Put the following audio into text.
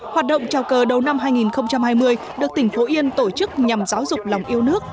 hoạt động chào cờ đầu năm hai nghìn hai mươi được tỉnh phú yên tổ chức nhằm giáo dục lòng yêu nước